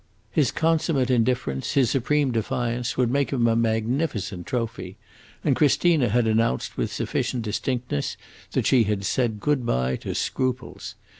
His consummate indifference, his supreme defiance, would make him a magnificent trophy, and Christina had announced with sufficient distinctness that she had said good by to scruples.